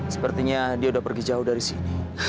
sepertinya dia sudah pergi jauh dari sini